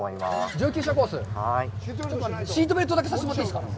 シートベルトだけさせてもらっていいですか？